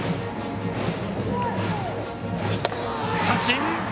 三振！